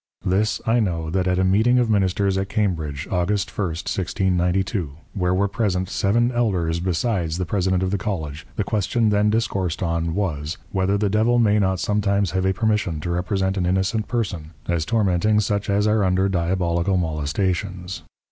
This I know, that at a Meeting of Ministers at Cambridge, August 1. 1692. where were present seven elders besides the President of the Colledge, the Question then discoursed on, was, _Whether the Devil may not sometimes have a Permission to represent an innocent Person as tormenting such as are under Diabolical Molestations?